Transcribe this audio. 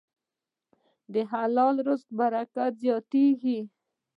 د حلال رزق برکت زیاتېږي.